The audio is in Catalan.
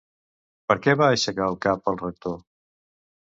Per què va aixecar el cap, el rector?